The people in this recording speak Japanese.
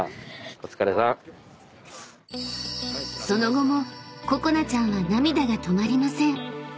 ［その後もここなちゃんは涙が止まりません］